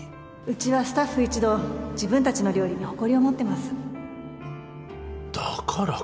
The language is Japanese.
うちはスタッフ一同自分たちの料理に誇りを持ってますだからか。